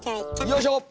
よいしょ！